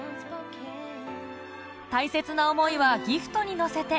大切な思いはギフトに乗せて